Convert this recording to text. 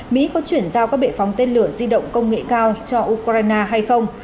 mỹ có chuyển giao các bệ phóng tên lửa di động công nghệ cao cho ukraine hay không